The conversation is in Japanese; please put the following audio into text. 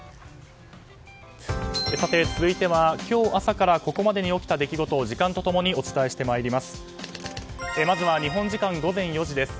続いては、今日朝からここまでに起きた出来事を時間と共にお伝えしてまいります。